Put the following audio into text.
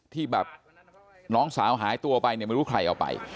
ที่แบบน้องสาวหายตัวไปเนี่ยไม่รู้ใครเอาไป